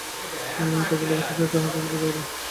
ভালো লাগিতেছিল তাহা বেশ বুঝা গেল।